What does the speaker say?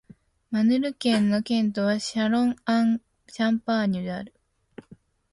マルヌ県の県都はシャロン＝アン＝シャンパーニュである